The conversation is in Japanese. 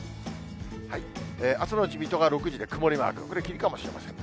朝のうち、水戸が、６時が曇りマーク、これ、霧かもしれませんね。